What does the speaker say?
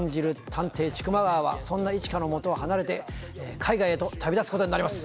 探偵・千曲川は、そんな一華のもとを離れて、海外へと旅立つことになります。